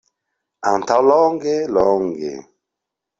Antaŭ longe, longe.